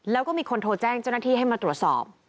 แล้วก็มีคนโทรแจ้งเจ้าหน้าที่ให้มาตรวจสอบ